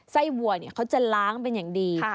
ไส้วัวเขาจะล้างเป็นอย่างดี